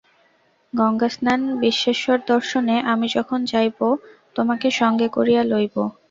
গঙ্গাস্নান-বিশ্বেশ্বরদর্শনে আমি যখন যাইব তোমাকে সঙ্গে করিয়া লইব।